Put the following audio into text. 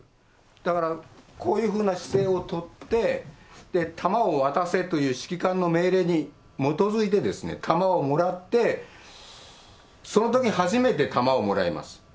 だから、こういうふうな姿勢を取って、弾を渡せという指揮官の命令に基づいて、弾をもらって、そのときに初めて弾をもらいます。